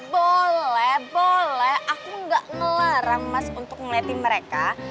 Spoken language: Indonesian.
boleh boleh aku gak ngelarang mas untuk ngelihatin mereka